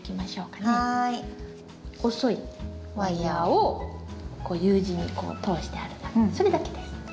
細いワイヤーをこうＵ字に通してあるだけそれだけです。